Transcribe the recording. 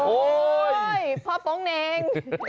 โอ้ยพ่อโป้งเน่ง